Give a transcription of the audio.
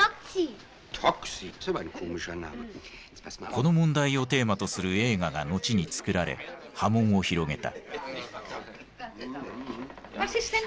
この問題をテーマとする映画が後に作られ波紋を広げた。